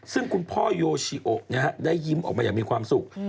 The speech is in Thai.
ซึ่งคุณพ่อโยชิโอได้ยิ้มออกมาอย่างมีความสุข